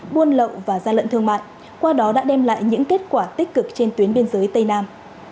buôn lậu và gian lận thương mại qua đó đã đem lại những kết quả tích cực trên tuyến biên giới tây nam